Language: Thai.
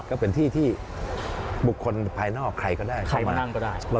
ก็เป็นที่ที่ปลุกคนภายนอกใครก็ได้เข้ามา